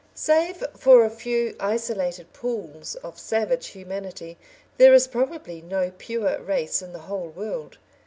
Save for a few isolated pools of savage humanity, there is probably no pure race in the whole world.